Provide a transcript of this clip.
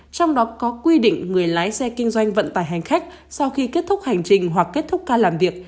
trong đó có quy định người lái xe kinh doanh vận tải hành khách sau khi kết thúc hành trình hoặc kết thúc ca làm việc